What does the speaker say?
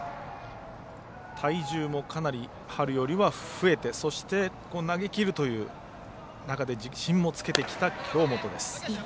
体重もかなり春よりは増えてそして投げきるという中で自信もつけてきた京本です。